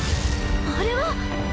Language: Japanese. あれは！